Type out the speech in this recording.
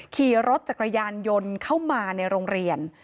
ขี่รถจักรยานยนต์เข้ามาในโรงเรียน